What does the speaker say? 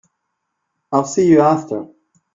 I'll see you after.